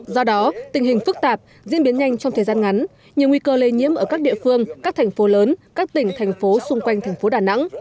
do đó tình hình phức tạp diễn biến nhanh trong thời gian ngắn nhiều nguy cơ lây nhiễm ở các địa phương các thành phố lớn các tỉnh thành phố xung quanh thành phố đà nẵng